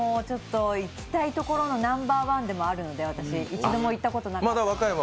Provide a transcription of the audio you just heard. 行きたい所のナンバーワンでもあるんで、まだ一度も行ったことなくて。